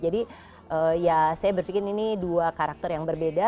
jadi ya saya berpikir ini dua karakter yang berbeda